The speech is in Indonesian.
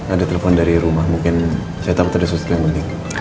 ada telepon dari rumah mungkin saya tahu ada sesuatu yang penting